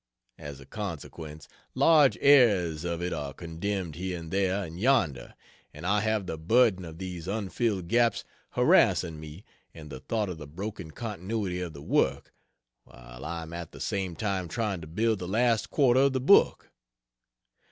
As a consequence, large areas of it are condemned here and there and yonder, and I have the burden of these unfilled gaps harassing me and the thought of the broken continuity of the work, while I am at the same time trying to build the last quarter of the book.